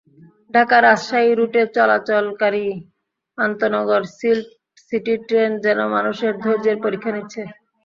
ঢাকা-রাজশাহী রুটে চলাচলকারী আন্তনগর silk city train যেন মানুষের ধৈর্যের পরীক্ষা নিচ্ছে।